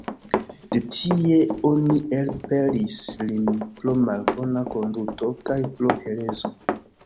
De tie oni elpelis lin pro malbona konduto kaj pro herezo.